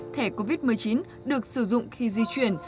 thẻ covid một mươi chín được sử dụng khi di chuyển